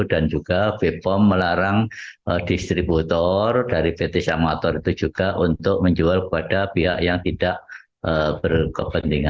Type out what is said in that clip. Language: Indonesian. dan juga bpom melarang distributor dari pt samator itu juga untuk menjual kepada pihak yang tidak berkepentingan